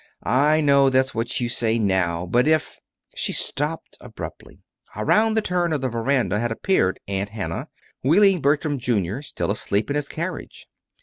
"I know that's what you say now; but if " She stopped abruptly. Around the turn of the veranda had appeared Aunt Hannah, wheeling Bertram, Jr., still asleep in his carriage.